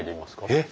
えっ。